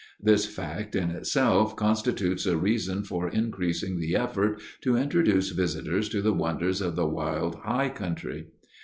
This fact in itself constitutes a reason for increasing the effort to introduce visitors to the wonders of the wild high country.